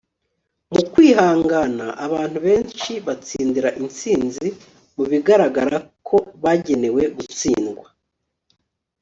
mu kwihangana, abantu benshi batsindira intsinzi mu bigaragara ko bagenewe gutsindwa